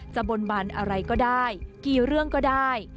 บนบันอะไรก็ได้กี่เรื่องก็ได้